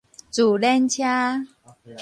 自輪車